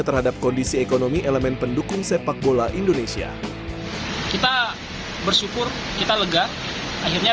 terhadap kondisi ekonomi elemen pendukung sepak bola indonesia kita bersyukur kita lega akhirnya